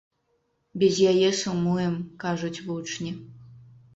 Без яе сумуем, кажуць вучні.